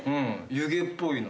湯気っぽいの。